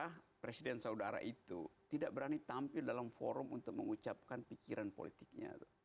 karena presiden saudara itu tidak berani tampil dalam forum untuk mengucapkan pikiran politiknya